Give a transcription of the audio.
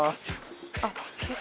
あっ結構。